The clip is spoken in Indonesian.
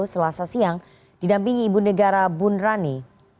selasa siang didampingi ibu negara bun rani